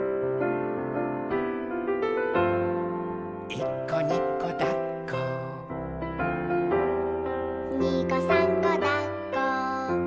「いっこにこだっこ」「にこさんこだっこ」